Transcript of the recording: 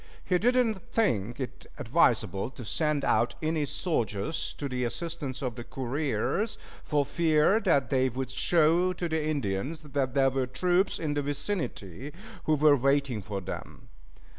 He did not think it advisable to send out any soldiers to the assistance of the couriers, for fear that they would show to the Indians that there were troops in the vicinity who were waiting for them.